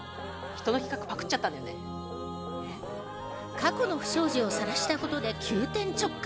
過去の不祥事をさらしたことで急転直下。